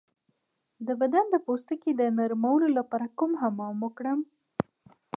د بدن د پوستکي د نرمولو لپاره کوم حمام وکړم؟